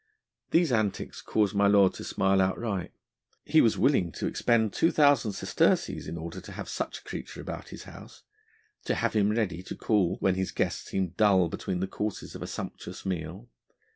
These antics caused my lord to smile outright. He was willing to expend two thousand sesterces in order to have such a creature about his house, to have him ready to call when his guests seemed dull between the courses of a sumptuous meal.